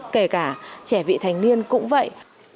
kể cả trẻ vị thành niên cũng vậy